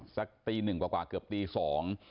สักตีหนึ่งกว่ากว่าเกือบตีสอง